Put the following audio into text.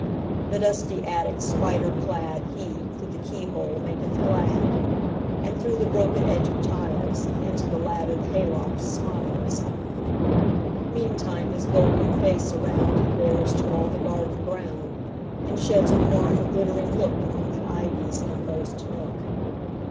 The dusty attic spider cladHe, through the keyhole, maketh glad; And through the broken edge of tiles, Into the laddered hay loft smiles. Meantime his golden face aroundHe bears to all the garden ground, And sheds a warm and glittering lookAmong the ivy's inmost nook.